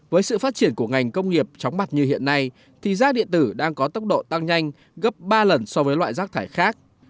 với sự phát triển của ngành công nghiệp chóng mặt như hiện nay thì rác điện tử đang có tốc độ tăng nhanh gấp ba lần so với loại rác thải khác